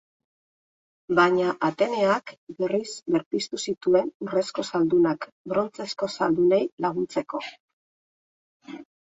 Baina Ateneak berriz berpiztu zituen urrezko zaldunak, brontzezko zaldunei laguntzeko.